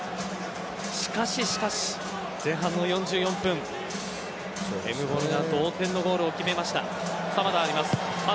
しかし、しかし前半の４４分エムボロが同点のゴールを決めました。